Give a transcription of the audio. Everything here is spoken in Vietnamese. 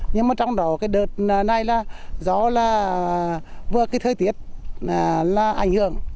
nhưng mà trong đó cái đợt này là do là vừa cái thời tiết là ảnh hưởng